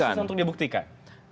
artinya susah untuk dibuktikan